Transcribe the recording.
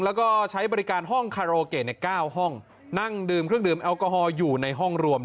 แล้วก็ใช้บริการห้องคาโรเกะใน๙ห้องนั่งดื่มเครื่องดื่มแอลกอฮอลอยู่ในห้องรวม